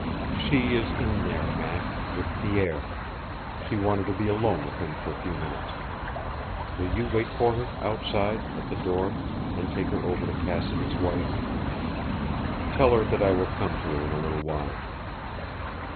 "She is in there, Mac with Pierre. She wanted to be alone with him for a few minutes. Will you wait for her outside at the door, and take her over to Cassidy's wife? Tell her that I will come to her in a little while."